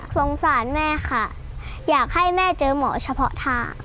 สงสารแม่ค่ะอยากให้แม่เจอหมอเฉพาะท่า